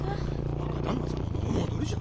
若旦那様のお戻りじゃ。